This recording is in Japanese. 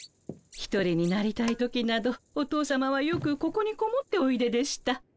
１人になりたい時などお父さまはよくここにこもっておいででした。